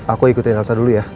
aku ikutin elsa dulu ya